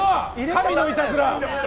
神のいたずら。